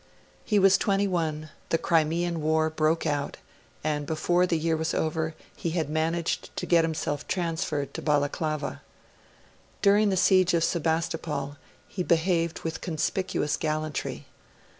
He was twenty one; the Crimean War broke out; and before the year was over, he had managed to get himself transferred to Balaclava. During the siege of Sebastopol he behaved with conspicuous gallantry.